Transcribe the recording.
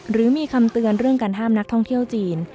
หรือมีคำเตือนเรื่องการห้ามนักท่องเที่ยวจีน